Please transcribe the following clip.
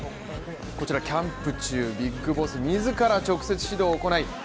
こちらキャンプ中、ビッグボス自ら直接指導を行い